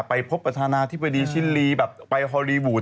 ไปพบประธานาธิบดีชิลีแบบไปฮอลลีวูด